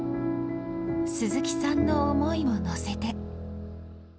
鈴木さんの思いも乗せて。